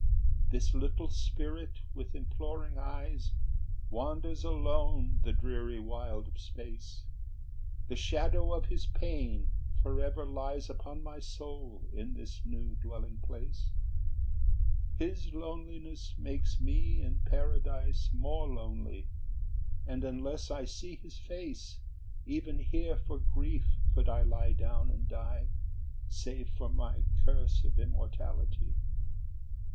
XL. "This little spirit with imploring eyes Wanders alone the dreary wild of space; The shadow of his pain forever lies Upon my soul in this new dwelling place; His loneliness makes me in Paradise More lonely, and, unless I see his face, Even here for grief could I lie down and die, Save for my curse of immortality.